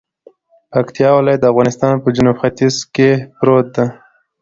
پکتيا ولايت د افغانستان په جنوت ختیځ کی پروت ده